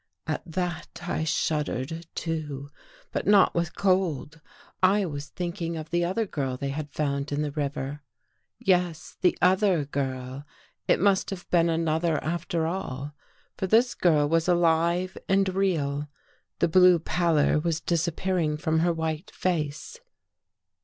At that I shuddered, too. But not with cold. I was thinking of the other girl they had found in the river. Yes, the other girl! It must have been another after all. For this girl was alive and real — the blue pallor was disappearing from her white face.